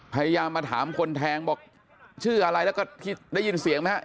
พยายามมาถามคนแทงบอกชื่ออะไรแล้วก็ได้ยินเสียงไหมฮะ